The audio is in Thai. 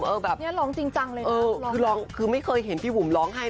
แบบเนี้ยร้องจริงจังเลยเออร้องคือร้องคือไม่เคยเห็นพี่บุ๋มร้องไห้